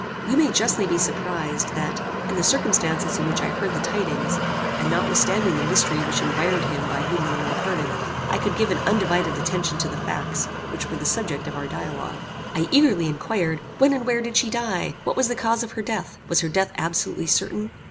You may justly be surprised, that, in the circumstances in which I heard the tidings, and notwithstanding the mystery which environed him by whom they were imparted, I could give an undivided attention to the facts, which were the subject of our dialogue. I eagerly inquired, when and where did she die? What was the cause of her death? Was her death absolutely certain?